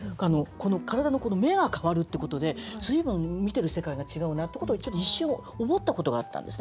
体の目が変わるってことで随分見てる世界が違うなってことを一瞬思ったことがあったんですね。